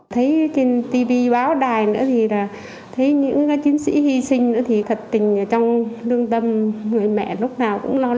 thấy trên tv báo đài nữa thì là thấy những chiến sĩ hy sinh nữa thì thật tình ở trong lương tâm người mẹ lúc nào cũng lo lắng